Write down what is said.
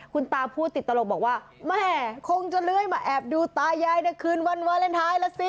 คุณตาพูดติดตลกบอกว่าแม่คงจะเลื้อยมาแอบดูตายายในคืนวันวาเลนไทยแล้วสิ